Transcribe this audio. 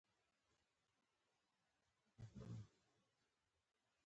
بانکونه په هیواد کې د نغدو پيسو کمی پوره کوي.